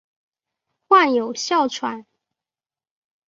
患有哮喘。